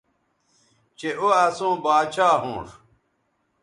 چہء او اسوں باچھا ھونݜ